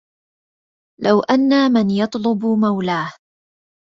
لو أن من يطلب مولاه